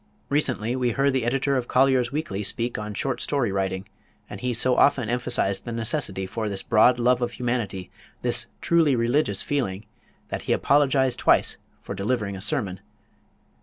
Recently we heard the editor of Collier's Weekly speak on short story writing, and he so often emphasized the necessity for this broad love for humanity, this truly religious feeling, that he apologized twice for delivering a sermon.